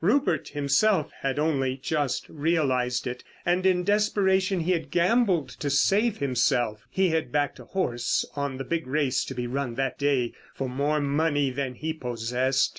Rupert himself had only just realised it. And in desperation he had gambled to save himself. He had backed a horse on the big race to be run that day for more money than he possessed.